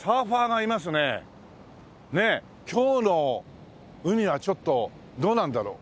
今日の海はちょっとどうなんだろう？